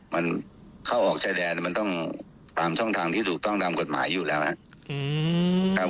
มันเข้าออกชายแดนมันต้องตามช่องทางที่ถูกต้องตามกฎหมายอยู่แล้วนะครับ